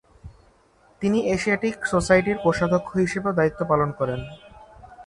তিনি এশিয়াটিক সোসাইটির কোষাধ্যক্ষ হিসেবেও দায়িত্ব পালন করেন।